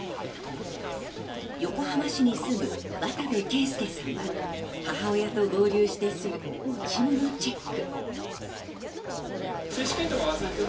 横浜市に住む渡部圭介さんは母親と合流してすぐ持ち物チェック。